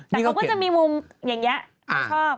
แต่เค้าก็จะมีมุมอย่างเยอะเราชอบ